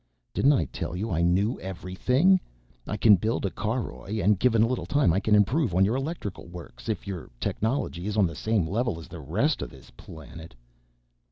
"Didn't I tell you I knew everything? I can build a caroj and given a little time I can improve on your electrical works, if your technology is on the same level as the rest of this planet."